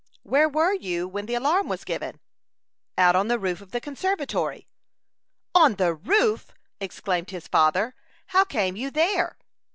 "Where were you when the alarm was given?" "Out on the roof of the conservatory." "On the roof!" exclaimed his father. "How came you there?"